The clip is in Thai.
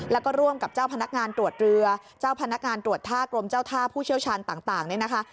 แล้วก็ร่วมกับเจ้าพนักงานตรวจเรือเจ้าพนักงานตรวจท่ากรมเจ้าท่าผู้เชี่ยวชาญต่างเนี่ยนะคะ